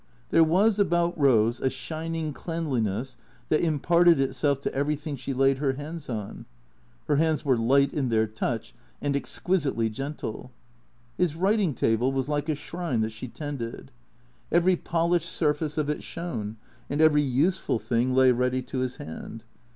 There was about Rose a shining cleanliness that im parted itself to everything she laid her hands on. (Her hands were light in their touch and exquisitely gentle.) His writing table was like a shrine that she tended. Every polished surface of it shone, and every useful thing lay ready to his hand.